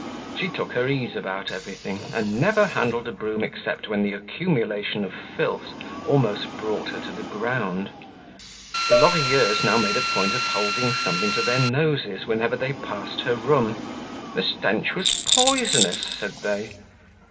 She took her ease about everything, and never handled a broom except when the accumulation of filth almost brought her to the ground. The Lorilleuxs now made a point of holding something to their noses whenever they passed her room; the stench was poisonous, said they.